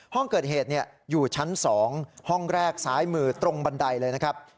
ห้องเกิดเหตุอยู่ชั้น๒ห้องแรกซ้ายมือตรงบันไดเลยนะครับ